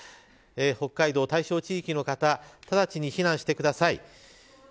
北海道、対象地域の方直ちに避難してください。